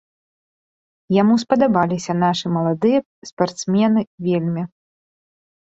Яму спадабаліся нашы маладыя спартсмены вельмі.